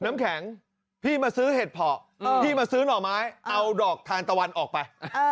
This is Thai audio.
น้ำแข็งพี่มาซื้อเห็ดเพาะพี่มาซื้อหน่อไม้เอาดอกทานตะวันออกไป